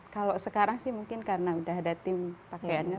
kalau sekarang sih mungkin karena udah ada tim pakaiannya